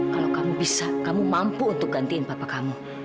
kalau kamu bisa kamu mampu untuk gantiin bapak kamu